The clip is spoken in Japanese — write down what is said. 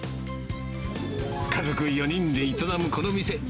家族４人で営むこの店。